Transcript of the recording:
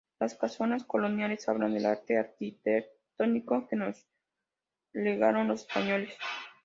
Las casonas coloniales, hablan del arte arquitectónico que nos legaron los españoles.